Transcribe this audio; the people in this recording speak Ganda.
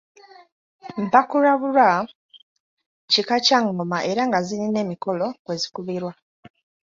Mpakulabulwa kika kya ngoma era nga zirina emikolo kwe zikubirwa.